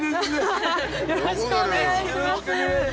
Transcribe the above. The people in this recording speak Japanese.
よろしくお願いします。